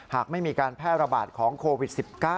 หากไม่มีการแพร่ระบาดของโควิด๑๙